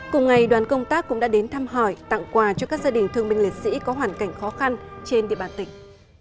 cùng ngày đoàn công tác cũng đã đến thăm hỏi tặng quà cho các gia đình thương minh liệt sĩ có hoàn cảnh khó khăn trên địa bàn tỉnh